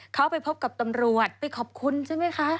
เขาไปพบกับตำรวจไปขอบคุณใช่ไหมคะ